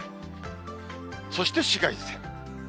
そして紫外線。